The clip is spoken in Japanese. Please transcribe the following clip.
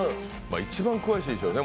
一番詳しいでしょうね